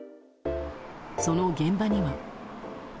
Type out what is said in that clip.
その現場には。